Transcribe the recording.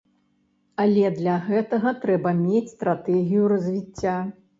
Але для гэтага трэба мець стратэгію развіцця.